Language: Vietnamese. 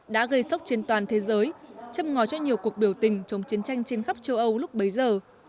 đã gây sốc trên toàn thế giới châm ngòi cho nhiều cuộc biểu tình chống chiến tranh trên khắp châu âu lúc bấy giờ